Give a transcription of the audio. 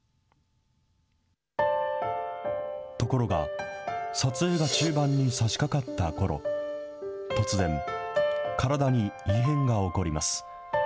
ところが、撮影が中盤にさしかかったころ、突然、体に異変が起こります。